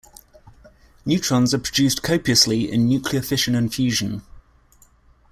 Neutrons are produced copiously in nuclear fission and fusion.